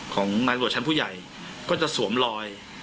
ของนายตำรวจชั้นผู้ใหญ่ก็จะสวมรอย